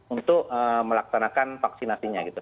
untuk melaksanakan vaksinasi nya gitu